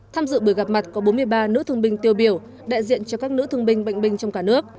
tham dự buổi gặp mặt có bốn mươi ba nữ thương binh tiêu biểu đại diện cho các nữ thương binh bệnh binh trong cả nước